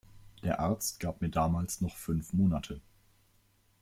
Der Arzt gab mir damals noch fünf Monate.